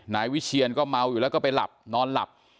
นายวิเชียนก็เมาอยู่แล้วก็ไปหลับนอนหลับ